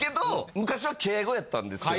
昔は敬語やったんですけど。